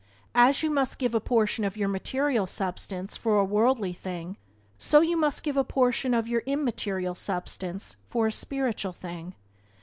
As you must give a portion of your material substance for a worldly thing so you must give a portion of your immaterial substance for a spiritual thing.